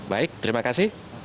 baik terima kasih